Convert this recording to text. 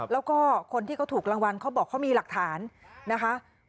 แล้วก็คนที่เขาถูกรางวัลเขาบอกเขามีหลักฐานนะคะ